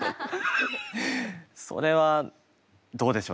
それはどうでしょうね。